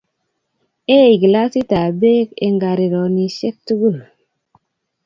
Eei glasitab Bek eng karironisiek tugul